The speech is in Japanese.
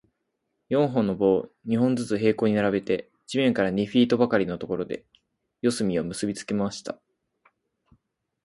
四本の棒を、二本ずつ平行に並べて、地面から二フィートばかりのところで、四隅を結びつけました。